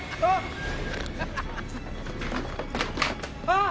あっ！